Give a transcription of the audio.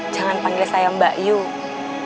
jangan panggil saya mbak yuke